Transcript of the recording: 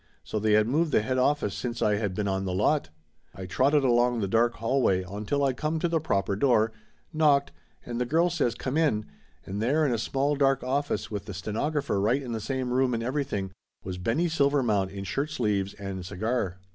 So they had moved the head office since I had been on the lot ! I trotted along the dark hallway until I come to the proper door, knocked, and the girl says come in, and there in a small dark office with the stenographer right in the same room and everything, was Benny Silvermount in shirt sleeves and cigar.